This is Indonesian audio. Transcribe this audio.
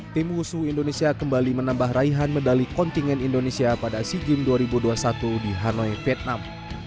tim husu indonesia kembali menambah raihan medali kontingen indonesia pada sea games dua ribu dua puluh satu di hanoi vietnam